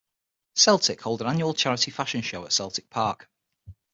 Celtic hold an annual charity fashion show at Celtic Park.